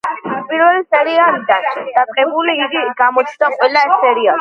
პირველი სერიალიდან დაწყებული, იგი გამოჩნდა ყველა სერიაში.